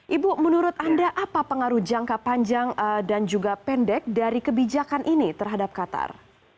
ibu menurut anda apa pengaruh jangka panjang dan juga pendek dari kebijakan ini terhadap qatar